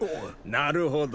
なるほど。